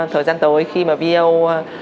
thời gian tới khi mà veo